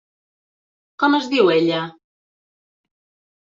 Com es diu ella?